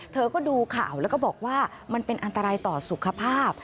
เธอก็ดูข่าวแล้วก็บอกว่ามันเป็นอันตรายต่อสุขภาพ